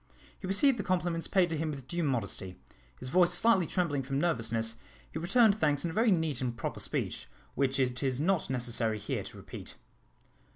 He received the compliments paid to him with due modesty. His voice slightly trembling from nervousness, he returned thanks in a very neat and proper speech, which it is not necessary here to repeat.